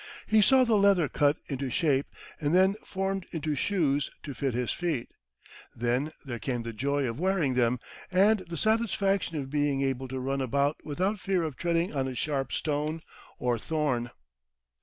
He saw the leather cut into shape, and then formed into shoes to fit his feet. Then there came the joy of wearing them, and the satisfaction of being able to run about without fear of treading on a sharp stone or thorn.